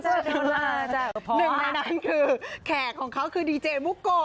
หนึ่งในนั้นคือแขกของเขาคือดีเจมุโก